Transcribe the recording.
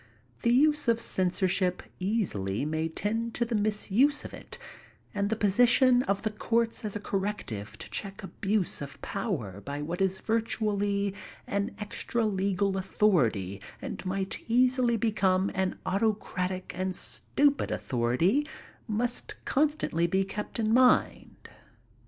The use of censorship easily may tend to the misuse of it, and the position of the courts as a corrective to check abuse of power by what is virtually an extra legal authority and might easily become an autocratic and stupid authority, must constantly be kept in mind.'